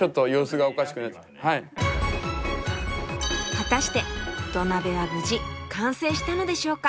果たして土鍋は無事完成したのでしょうか？